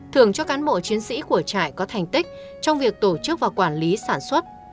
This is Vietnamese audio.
thường cho cán bộ chiến sĩ của trại có thành tích trong việc tổ chức và quản lý sản xuất